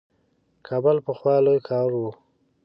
کابل پخوا لوی ښار وو.